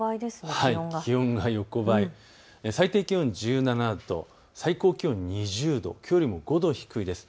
気温が横ばい、最低気温が１７度、最高気温は２０度、きょうよりも５度低いです。